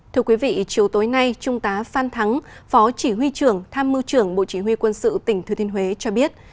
thưa quý vị chiều tối nay trung tá phan thắng phó chỉ huy trưởng tham mưu trưởng bộ chỉ huy quân sự tỉnh thừa thiên huế cho biết